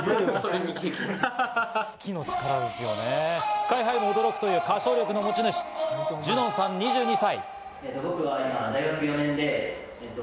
ＳＫＹ−ＨＩも驚くという歌唱力の持ち主、ジュノンさん、２２歳。